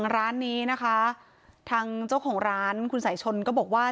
ร้านนี้นะคะทางเจ้าของร้านคุณสายชนก็บอกว่า